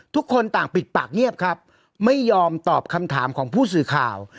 ทุกคนต่างปิดปากเงียบครับไม่ยอมตอบคำถามของผู้สื่อข่าว